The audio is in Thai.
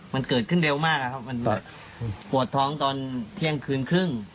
มันเกิดขึ้นเร็วมากอะครับมันปวดท้องตอนเที่ยงคืนครึ่ง